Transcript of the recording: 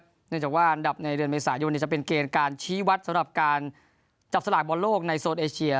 เนื่องจากว่าอันดับในเดือนเมษายนจะเป็นเกณฑ์การชี้วัดสำหรับการจับสลากบอลโลกในโซนเอเชีย